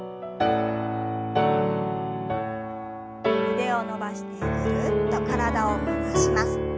腕を伸ばしてぐるっと体を回します。